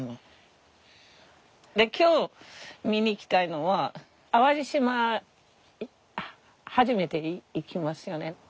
今日見に行きたいのは淡路島初めて行きますよね。